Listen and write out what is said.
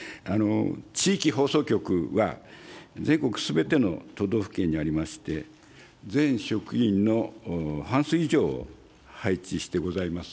地域放送局は全国すべての都道府県にありまして、全職員の半数以上を配置してございます。